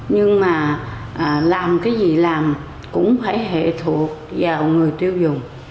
nhưng mà làm cái gì làm cũng phải hệ thuộc vào người tiêu dùng